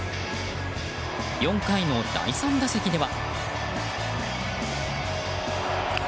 ４回の第３打席では。